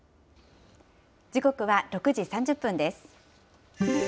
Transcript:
時刻は６時３０分です。